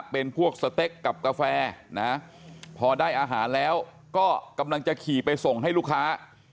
เป็นพวกสเต็กกับกาแฟนะพอได้อาหารแล้วก็กำลังจะขี่ไปส่งให้ลูกค้า